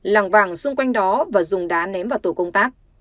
làng vàng xung quanh đó và dùng đá ném vào tổ công tác